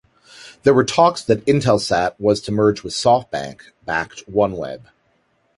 There were talks that Intelsat was to merge with Softbank-backed OneWeb.